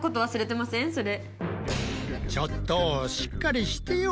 ちょっとしっかりしてよおじさん！